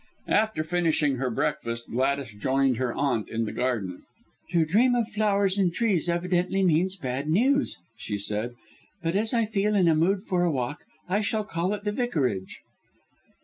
After finishing her breakfast Gladys joined her aunt in the garden. "To dream of flowers and trees evidently means bad news," she said. "But as I feel in a mood for a walk, I shall call at the Vicarage."